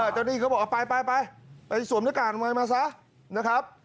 อ๋อตอนนี้เขาบอกไปไปสวมหน้ากากอนามัยมาซะนะครับ